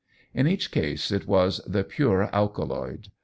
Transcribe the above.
In each case it was the pure alkaloid.